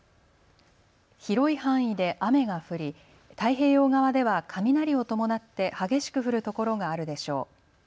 広い範囲で雨が降り太平洋側では雷を伴って激しく降るところがあるでしょう。